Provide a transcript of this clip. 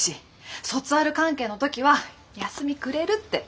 卒アル関係の時は休みくれるって。